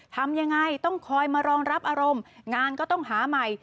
ทำยังไงต้องคอยมารองรับอารมณ์งานก็ต้องหาใหม่